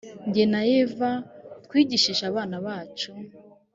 jye na eva twigishije abana bacu